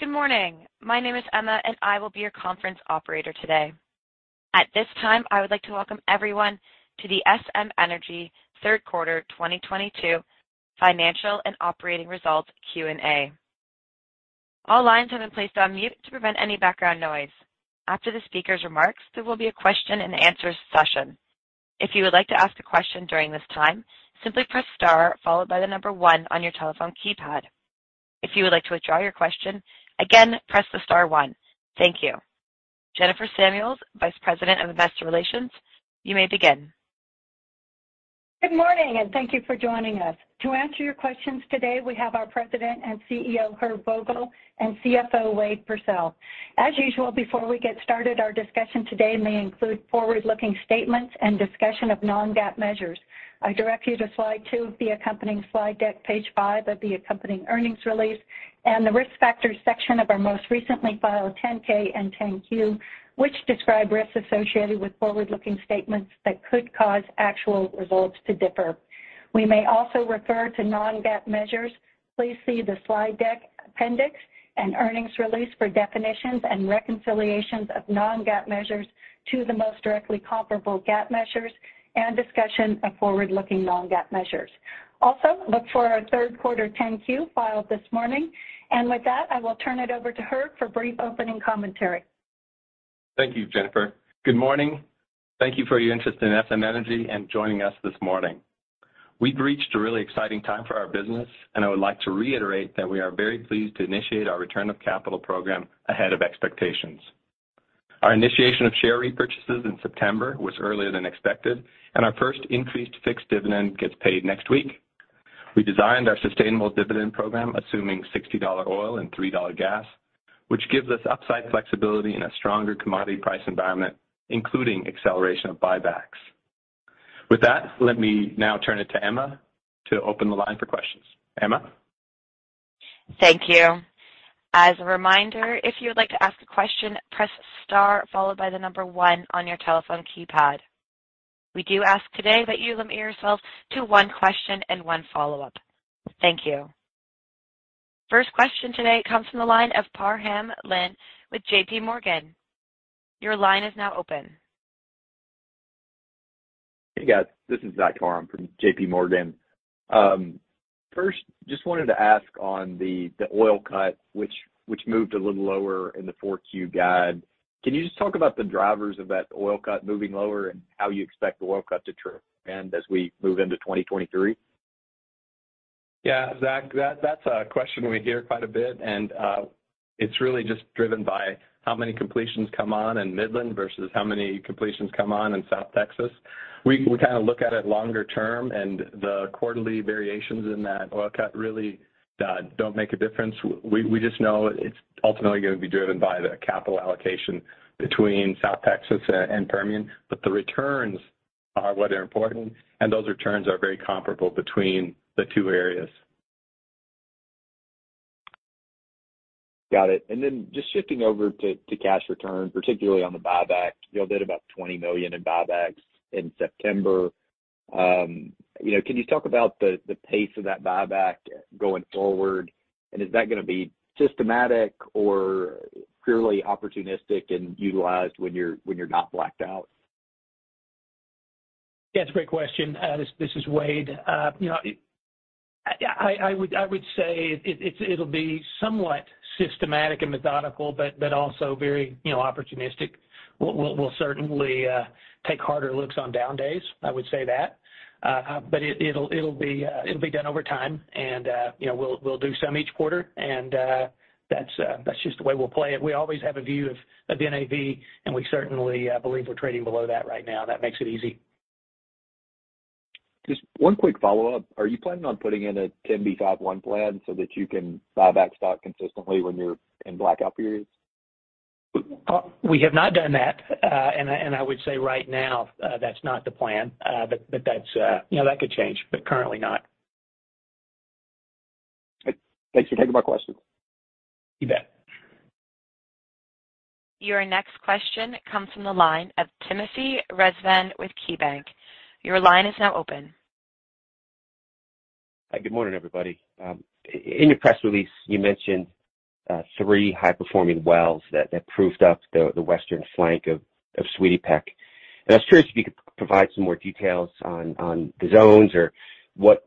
Good morning. My name is Emma, and I will be your conference operator today. At this time, I would like to welcome everyone to the SM Energy third quarter 2022 financial and operating results Q&A. All lines have been placed on mute to prevent any background noise. After the speaker's remarks, there will be a question and answer session. If you would like to ask a question during this time, simply press star followed by the number one on your telephone keypad. If you would like to withdraw your question, again, press the star one. Thank you. Jennifer Samuels, Vice President of Investor Relations, you may begin. Good morning, and thank you for joining us. To answer your questions today, we have our president and CEO, Herb Vogel, and CFO, Wade Pursell. As usual, before we get started, our discussion today may include forward-looking statements and discussion of non-GAAP measures. I direct you to slide two of the accompanying slide deck, page five of the accompanying earnings release, and the risk factors section of our most recently filed 10-K and 10-Q, which describe risks associated with forward-looking statements that could cause actual results to differ. We may also refer to non-GAAP measures. Please see the slide deck appendix and earnings release for definitions and reconciliations of non-GAAP measures to the most directly comparable GAAP measures and discussion of forward-looking non-GAAP measures. Also, look for our third quarter 10-Q filed this morning. With that, I will turn it over to Herb for brief opening commentary. Thank you, Jennifer. Good morning. Thank you for your interest in SM Energy and joining us this morning. We've reached a really exciting time for our business, and I would like to reiterate that we are very pleased to initiate our return of capital program ahead of expectations. Our initiation of share repurchases in September was earlier than expected, and our first increased fixed dividend gets paid next week. We designed our sustainable dividend program assuming $60 oil and $3 gas, which gives us upside flexibility in a stronger commodity price environment, including acceleration of buybacks. With that, let me now turn it to Emma to open the line for questions. Emma? Thank you. As a reminder, if you would like to ask a question, press star followed by the number one on your telephone keypad. We do ask today that you limit yourself to one question and one follow-up. Thank you. First question today comes from the line of Zach Parham with JPMorgan. Your line is now open. Hey, guys. This is Zach Parham from JPMorgan. First, just wanted to ask on the oil cut, which moved a little lower in the 4Q guide. Can you just talk about the drivers of that oil cut moving lower and how you expect the oil cut to trend and as we move into 2023? Yeah. Zach, that's a question we hear quite a bit, and it's really just driven by how many completions come on in Midland versus how many completions come on in South Texas. We kind of look at it longer term and the quarterly variations in that oil cut really don't make a difference. We just know it's ultimately gonna be driven by the capital allocation between South Texas and Permian, but the returns are what are important, and those returns are very comparable between the two areas. Got it. Just shifting over to cash returns, particularly on the buyback. You all did about $20 million in buybacks in September. You know, can you talk about the pace of that buyback going forward? Is that gonna be systematic or purely opportunistic and utilized when you're not blacked out? Yeah, it's a great question. This is Wade. You know, I would say it'll be somewhat systematic and methodical, but also very, you know, opportunistic. We'll certainly take harder looks on down days, I would say that. But it'll be done over time and, you know, we'll do some each quarter and, that's just the way we'll play it. We always have a view of the NAV, and we certainly believe we're trading below that right now. That makes it easy. Just one quick follow-up. Are you planning on putting in a 10b5-1 plan so that you can buy back stock consistently when you're in blackout periods? We have not done that. I would say right now, that's not the plan. That's, you know, that could change, but currently not. Thanks for taking my question. You bet. Your next question comes from the line of Tim Rezvan with KeyBanc. Your line is now open. Hi, good morning, everybody. In your press release, you mentioned three high-performing wells that proved up the western flank of Sweetie Peck. I was curious if you could provide some more details on the zones or what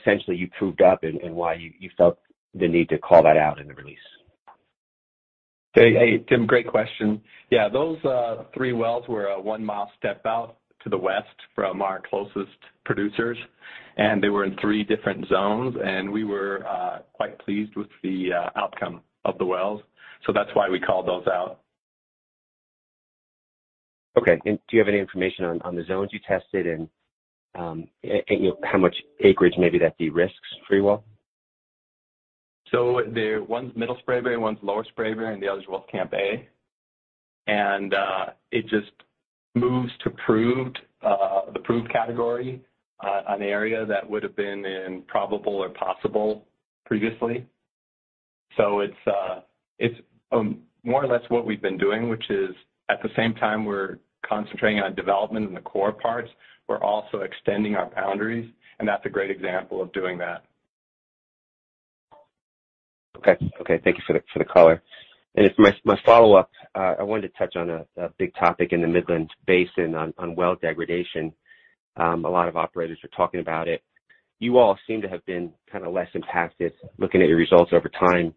essentially you proved up and why you felt the need to call that out in the release. Hey, Tim, great question. Yeah, those three wells were a one-mile step out to the west from our closest producers, and they were in three different zones, and we were quite pleased with the outcome of the wells. That's why we called those out. Okay. Do you have any information on the zones you tested and, you know, how much acreage maybe that de-risks pretty well? The one's Middle Spraberry, one's Lower Spraberry, and the other's Wolfcamp A. It just moves to the proved category on the area that would have been in probable or possible previously. It's more or less what we've been doing, which is at the same time we're concentrating on development in the core parts, we're also extending our boundaries, and that's a great example of doing that. Okay. Thank you for the color. As my follow-up, I wanted to touch on a big topic in the Midland Basin on well degradation. A lot of operators are talking about it. You all seem to have been kind of less impacted looking at your results over time.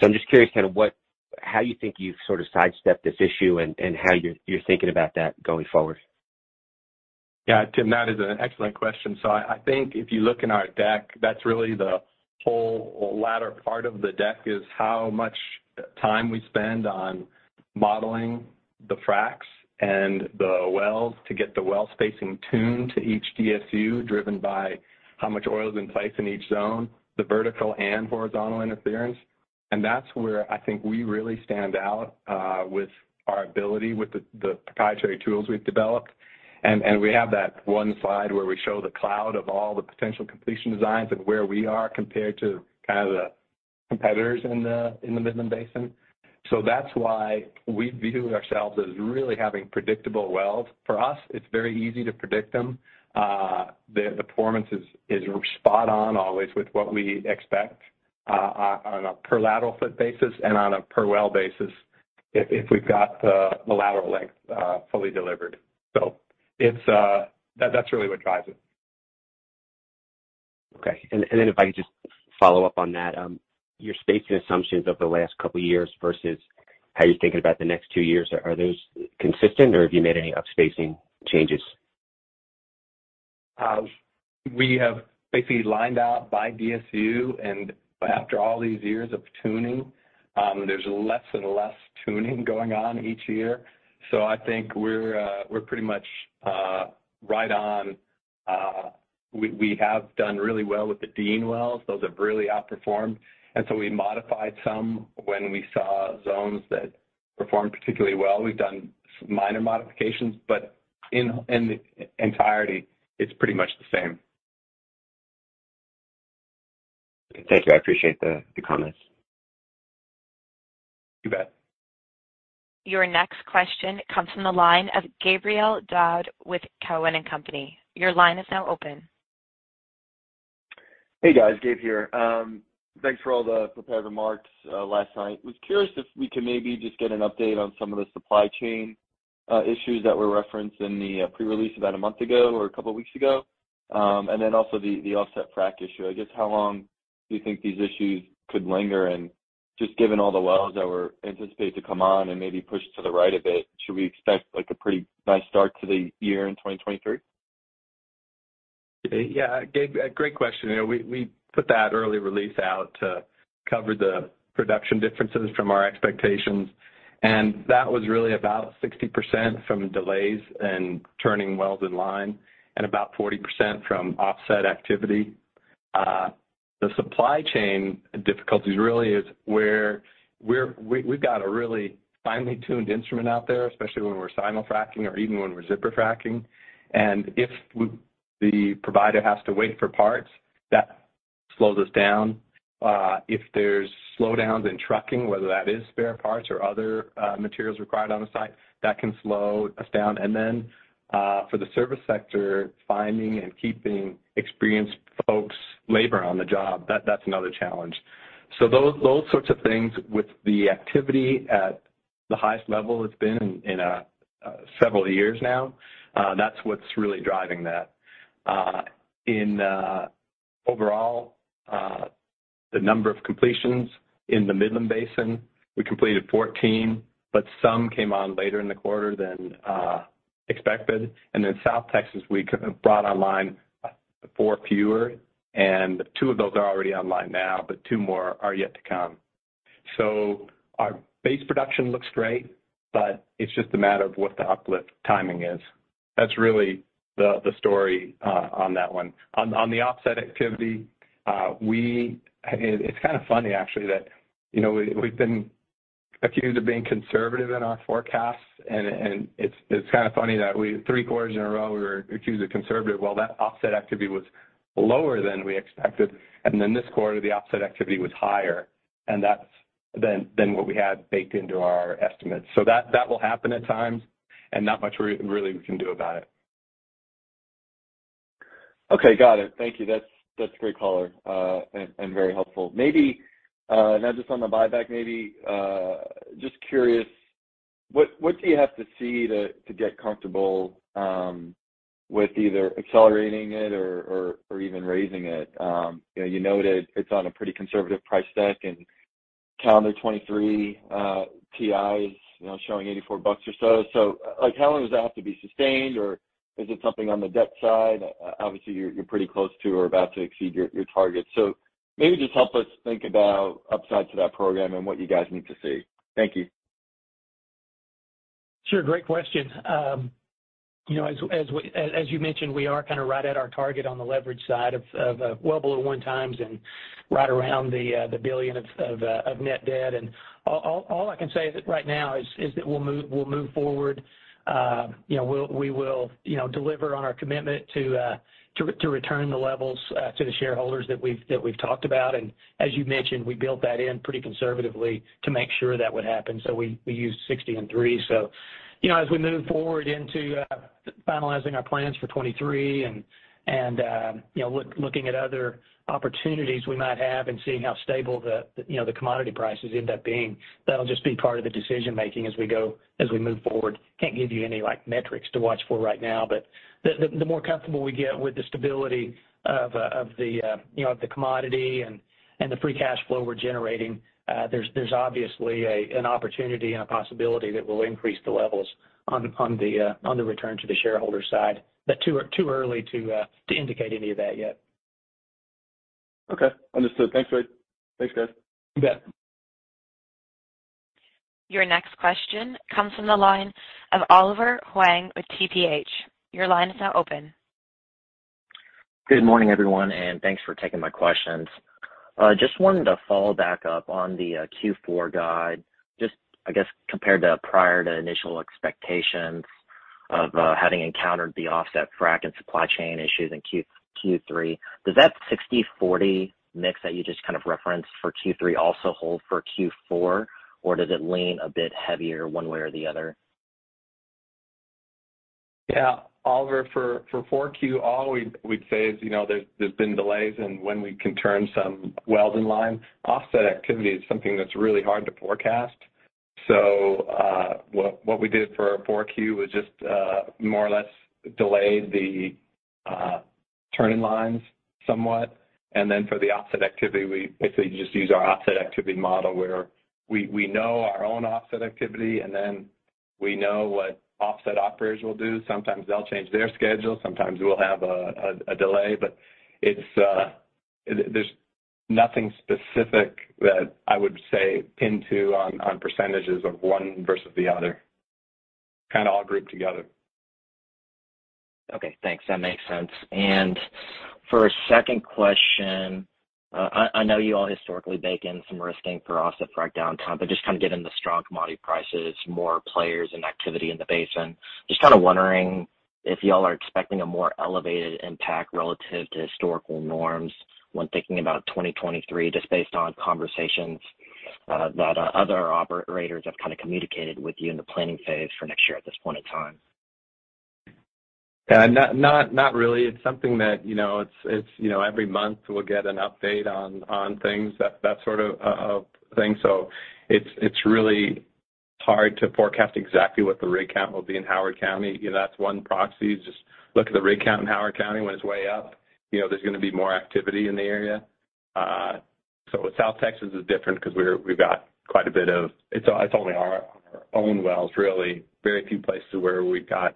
I'm just curious kind of what how you think you've sort of sidestepped this issue and how you're thinking about that going forward. Yeah. Tim, that is an excellent question. I think if you look in our deck, that's really the whole latter part of the deck is how much time we spend on modeling the fracs and the wells to get the well spacing tuned to each DSU driven by how much oil is in place in each zone, the vertical and horizontal interference. That's where I think we really stand out with our ability with the proprietary tools we've developed. We have that one slide where we show the cloud of all the potential completion designs and where we are compared to kind of the competitors in the Midland Basin. That's why we view ourselves as really having predictable wells. For us, it's very easy to predict them. The performance is spot on always with what we expect on a per lateral foot basis and on a per well basis if we've got the lateral length fully delivered. That's really what drives it. Okay. Then if I could just follow up on that, your spacing assumptions over the last couple years versus how you're thinking about the next two years, are those consistent or have you made any up spacing changes? We have basically lined out by DSU and after all these years of tuning, there's less and less tuning going on each year. I think we're pretty much right on. We have done really well with the Dean wells. Those have really outperformed, and so we modified some when we saw zones that performed particularly well. We've done minor modifications, but in the entirety, it's pretty much the same. Thank you. I appreciate the comments. You bet. Your next question comes from the line of Gabe Daoud with Cowen and Company. Your line is now open. Hey, guys. Gabe here. Thanks for all the prepared remarks last night. Was curious if we could maybe just get an update on some of the supply chain issues that were referenced in the pre-release about a month ago or a couple of weeks ago. Also the offset frac issue. I guess how long do you think these issues could linger? Just given all the wells that were anticipated to come on and maybe pushed to the right a bit, should we expect like a pretty nice start to the year in 2023? Yeah. Gabe, great question. You know, we put that early release out to cover the production differences from our expectations, and that was really about 60% from delays and turning wells in line and about 40% from offset activity. The supply chain difficulties really is where we've got a really finely tuned instrument out there, especially when we're simul-frac or even when we're zipper fracking. The provider has to wait for parts, that slows us down. If there's slowdowns in trucking, whether that is spare parts or other materials required on the site, that can slow us down. For the service sector, finding and keeping experienced folks, labor on the job, that's another challenge. Those sorts of things with the activity at the highest level it's been in several years now, that's what's really driving that. Overall, the number of completions in the Midland Basin, we completed 14, but some came on later in the quarter than expected. In South Texas, we kind of brought online four fewer, and two of those are already online now, but two more are yet to come. Our base production looks great, but it's just a matter of what the uplift timing is. That's really the story on that one. On the offset activity, we It's kind of funny actually that you know we've been accused of being conservative in our forecasts and it's kind of funny that we three quarters in a row were accused of conservative. Well that offset activity was lower than we expected. This quarter the offset activity was higher than what we had baked into our estimates. That will happen at times and not much we really can do about it. Okay. Got it. Thank you. That's a great color and very helpful. Maybe now just on the buyback maybe just curious, what do you have to see to get comfortable with either accelerating it or even raising it? You know, you noted it's on a pretty conservative price deck and calendar 2023, WTI, you know, showing $84 or so. Like, how long does it have to be sustained or is it something on the debt side? Obviously you're pretty close to or about to exceed your target. Maybe just help us think about upsides to that program and what you guys need to see. Thank you. Sure. Great question. You know, as you mentioned, we are kind of right at our target on the leverage side of well below 1x and right around the $1 billion of net debt. All I can say right now is that we'll move forward. You know, we will, you know, deliver on our commitment to return the levels to the shareholders that we've talked about. As you mentioned, we built that in pretty conservatively to make sure that would happen. We used 63. You know, as we move forward into finalizing our plans for 2023 and, you know, looking at other opportunities we might have and seeing how stable you know, the commodity prices end up being, that'll just be part of the decision making as we go, as we move forward. Can't give you any, like, metrics to watch for right now. The more comfortable we get with the stability of you know, the commodity and the free cash flow we're generating, there's obviously an opportunity and a possibility that we'll increase the levels on the return to the shareholder side. Too early to indicate any of that yet. Okay. Understood. Thanks, Ray. Thanks, guys. You bet. Your next question comes from the line of Oliver Huang with TPH. Your line is now open. Good morning, everyone, and thanks for taking my questions. Just wanted to follow back up on the Q4 guide. Just, I guess, compared to prior to initial expectations of having encountered the offset frack and supply chain issues in Q3. Does that 60/40 mix that you just kind of referenced for Q3 also hold for Q4? Or does it lean a bit heavier one way or the other? Oliver, for 4Q, all we'd say is, you know, there's been delays in when we can turn some wells in line. Offset activity is something that's really hard to forecast. What we did for 4Q was just more or less delay the turning in line somewhat. For the offset activity, we basically just use our offset activity model where we know our own offset activity, and then we know what offset operators will do. Sometimes they'll change their schedule, sometimes we'll have a delay, but there's nothing specific that I would say pin it on percentages of one versus the other. Kinda all grouped together. Okay, thanks. That makes sense. For a second question, I know you all historically bake in some risk in for offset frack downtime, but just kind of given the strong commodity prices, more players and activity in the basin, just kinda wondering if y'all are expecting a more elevated impact relative to historical norms when thinking about 2023, just based on conversations that other operators have kind of communicated with you in the planning phase for next year at this point in time. Yeah. Not really. It's something that, you know, it's every month we'll get an update on things, that sort of thing. It's really hard to forecast exactly what the rig count will be in Howard County. You know, that's one proxy. Just look at the rig count in Howard County. When it's way up, you know, there's gonna be more activity in the area. South Texas is different 'cause it's only our own wells, really. Very few places where we've got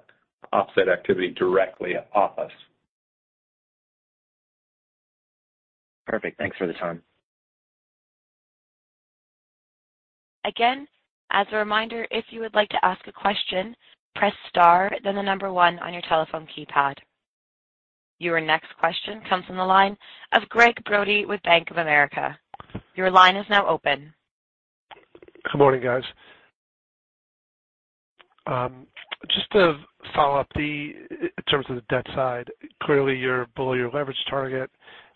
offset activity directly off us. Perfect. Thanks for the time. Again, as a reminder, if you would like to ask a question, press star then the number one on your telephone keypad. Your next question comes from the line of Gregg Brody with Bank of America. Your line is now open. Good morning, guys. Just to follow up on the debt side. Clearly, you're below your leverage target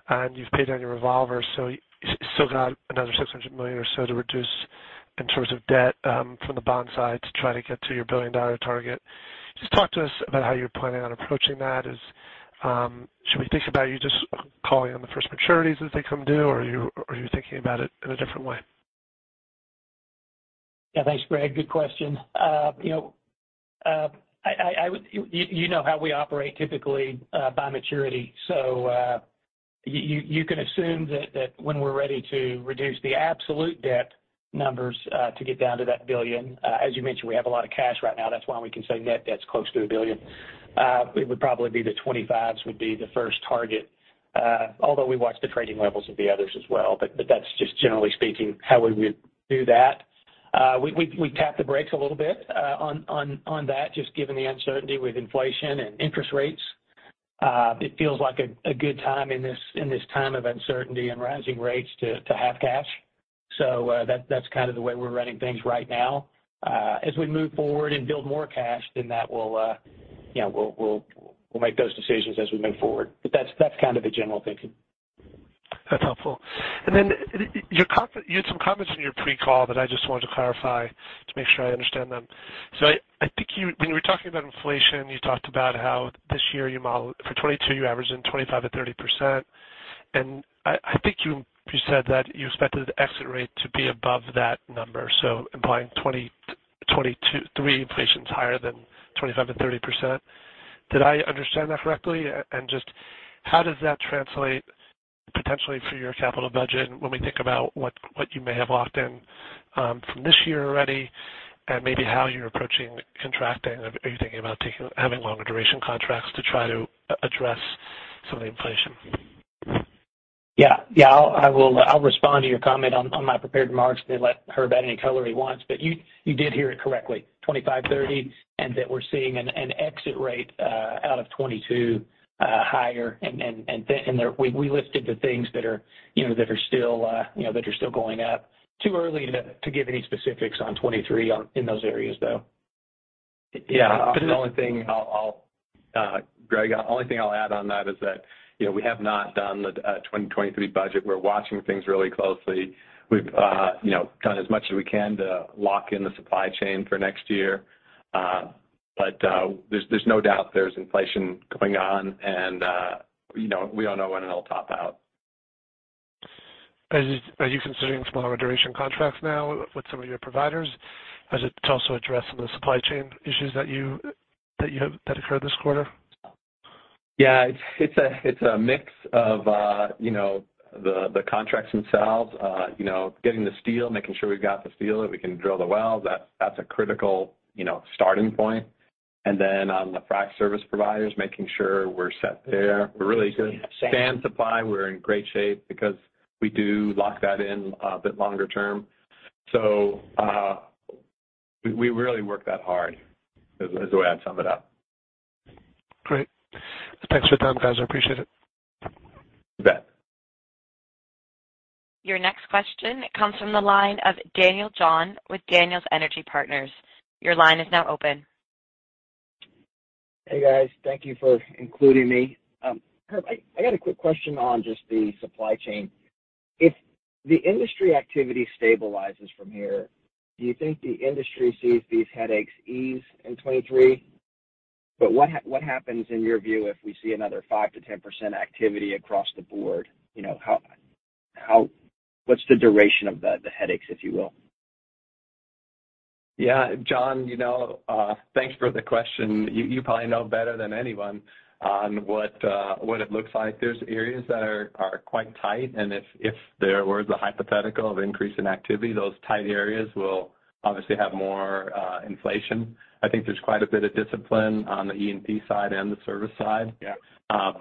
and you've paid down your revolver. You still got another $600 million or so to reduce in terms of debt, from the bond side to try to get to your billion-dollar target. Just talk to us about how you're planning on approaching that. Should we think about you just calling on the first maturities as they come due, or are you thinking about it in a different way? Yeah. Thanks, Greg. Good question. You know how we operate typically by maturity. You can assume that when we're ready to reduce the absolute debt numbers to get down to that $1 billion, as you mentioned, we have a lot of cash right now, that's why we can say net debt's close to $1 billion. It would probably be the twenty-fives would be the first target, although we watch the trading levels of the others as well. That's just generally speaking how we would do that. We tapped the brakes a little bit on that, just given the uncertainty with inflation and interest rates. It feels like a good time in this time of uncertainty and rising rates to have cash. That's kind of the way we're running things right now. As we move forward and build more cash, then that will, you know, we'll make those decisions as we move forward. That's kind of the general thinking. That's helpful. You had some comments in your pre-call that I just wanted to clarify to make sure I understand them. I think when you were talking about inflation, you talked about how this year you modeled for 2022 you averaged in 25%-30%. I think you said that you expected the exit rate to be above that number, so implying 2022-2023 inflation's higher than 25%-30%. Did I understand that correctly? Just how does that translate potentially for your capital budget when we think about what you may have locked in from this year already and maybe how you're approaching contracting? Are you thinking about having longer duration contracts to try to address some of the inflation? Yeah. I'll respond to your comment on my prepared remarks, then let Herb add any color he wants. You did hear it correctly. 25, 30, and that we're seeing an exit rate out of 2022 higher. We listed the things that are, you know, that are still, you know, that are still going up. Too early to give any specifics on 2023 in those areas, though. Yeah. The only thing I'll Greg, the only thing I'll add on that is that, you know, we have not done the 2023 budget. We're watching things really closely. We've, you know, done as much as we can to lock in the supply chain for next year. There's no doubt there's inflation going on, and, you know, we don't know when it'll top out. Are you considering smaller duration contracts now with some of your providers to also address some of the supply chain issues that you have that occurred this quarter? Yeah. It's a mix of, you know, the contracts themselves, you know, getting the steel, making sure we've got the steel, that we can drill the wells. That's a critical, you know, starting point. On the frac service providers, making sure we're set there. We're really good. Sand supply, we're in great shape because we do lock that in a bit longer term. We really work that hard is the way I'd sum it up. Great. Thanks for your time, guys. I appreciate it. You bet. Your next question comes from the line of John Daniel with Daniel Energy Partners. Your line is now open. Hey, guys. Thank you for including me. Herb, I got a quick question on just the supply chain. If the industry activity stabilizes from here, do you think the industry sees these headaches ease in 2023? What happens in your view if we see another 5%-10% activity across the board? You know, how what's the duration of the headaches, if you will? Yeah. John, you know, thanks for the question. You probably know better than anyone on what it looks like. There's areas that are quite tight, and if there were the hypothetical of increase in activity, those tight areas will obviously have more inflation. I think there's quite a bit of discipline on the E&P side and the service side. Yeah. I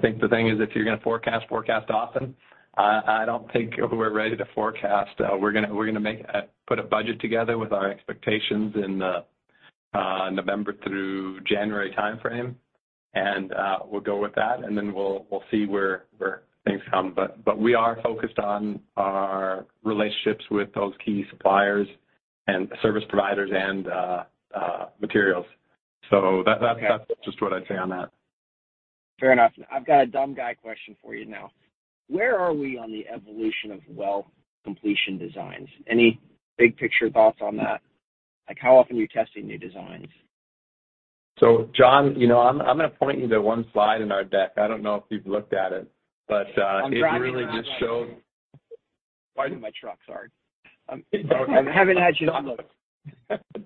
think the thing is if you're gonna forecast often. I don't think we're ready to forecast. We're gonna put a budget together with our expectations in the November through January timeframe, and we'll go with that, and then we'll see where things come. But we are focused on our relationships with those key suppliers and service providers and materials. So that. Okay. That's just what I'd say on that. Fair enough. I've got a dumb guy question for you now. Where are we on the evolution of well completion designs? Any big picture thoughts on that? Like, how often are you testing new designs? John, you know, I'm gonna point you to one slide in our deck. I don't know if you've looked at it, but. I'm driving right now. It really just showed. Pardon my truck. Sorry. I haven't had a chance to look.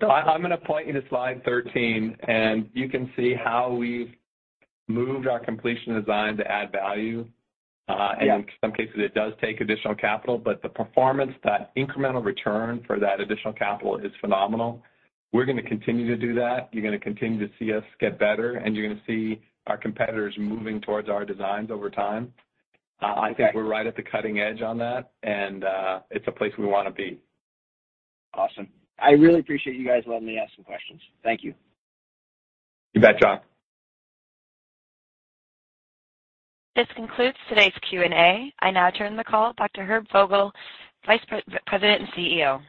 I'm gonna point you to slide 13, and you can see how we've moved our completion design to add value. Yeah. In some cases, it does take additional capital, but the performance, that incremental return for that additional capital is phenomenal. We're gonna continue to do that. You're gonna continue to see us get better, and you're gonna see our competitors moving towards our designs over time. Okay. I think we're right at the cutting edge on that, and it's a place we wanna be. Awesome. I really appreciate you guys letting me ask some questions. Thank you. You bet, John. This concludes today's Q&A. I now turn the call to Herb Vogel, President and CEO.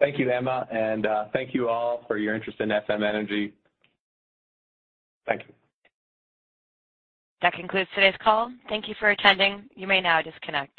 Thank you, Emma, and thank you all for your interest in SM Energy. Thank you. That concludes today's call. Thank you for attending. You may now disconnect.